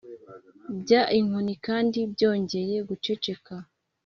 bya inkoni, kandi byongeye guceceka.